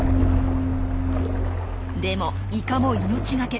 でもイカも命懸け。